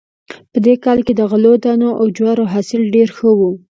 په دې کال کې د غلو دانو او جوارو حاصل ډېر ښه و